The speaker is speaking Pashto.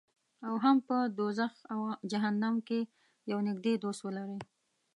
او هم په دوزخ او جهنم کې یو نږدې دوست ولري.